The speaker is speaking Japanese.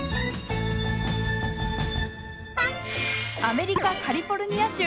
アメリカ・カリフォルニア州